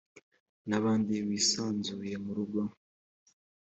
n abandi wisanzuye mu rugo